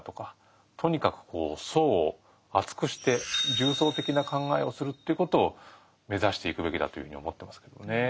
とにかくこう層を厚くして重層的な考えをするということを目指していくべきだというふうに思ってますけどもね。